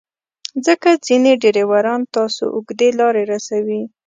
ځکه ځینې ډریوران تاسو اوږدې لارې رسوي.